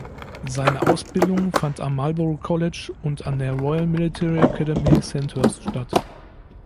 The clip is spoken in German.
Seine Ausbildung fand am Marlborough College und an der Royal Military Academy Sandhurst statt.